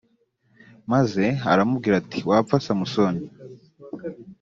maze aramubwira ati wapfa samusoni